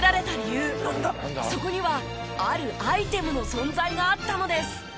そこにはあるアイテムの存在があったのです。